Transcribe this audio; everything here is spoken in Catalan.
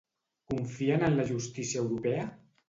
Confien en la justícia europea?